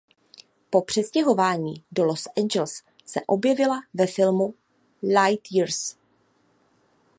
Po přestěhování do Los Angeles se objevila ve filmu "Light Years"..